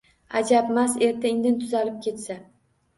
Ajabmas, erta-indin tuzalib ketsa...